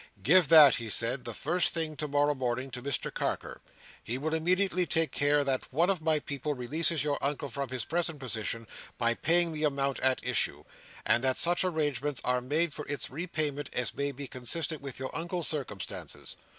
"Give that," he said, "the first thing to morrow morning, to Mr Carker. He will immediately take care that one of my people releases your Uncle from his present position, by paying the amount at issue; and that such arrangements are made for its repayment as may be consistent with your Uncle's circumstances.